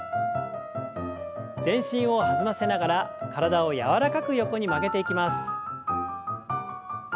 全身を弾ませながら体を柔らかく横に曲げていきます。